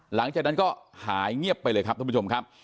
หลังจากนั้นก็หายเงียบไปเลยครับท่านผู้ชมครับ